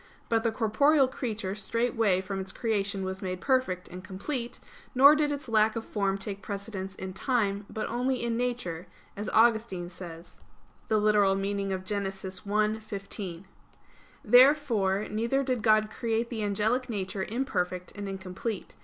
But the corporeal creature straightway from its creation was made perfect and complete; nor did its lack of form take precedence in time, but only in nature, as Augustine says (Gen. ad lit. i, 15). Therefore neither did God create the angelic nature imperfect and incomplete.